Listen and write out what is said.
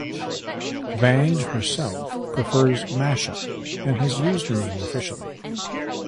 Vang herself prefers Mascha and has used the name officially.